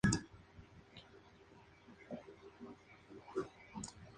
Un puñado de jugadores están ordenados sacerdotes.